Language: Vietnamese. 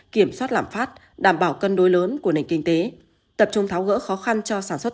kiểm soát lạm phát đảm bảo cân đối lớn của nền kinh tế tập trung tháo gỡ khó khăn cho sản xuất